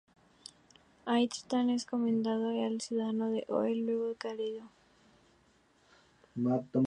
Ahí, Tristán es encomendado al cuidado de Hoel luego de quedar herido.